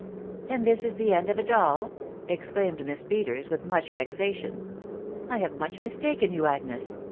" And this is the end of it all !" exclaimed Misa Peters, with much vexation. " I have much mistaken yon, Agnes